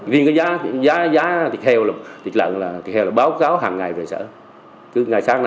riêng giá thịt heo là báo cáo hàng ngày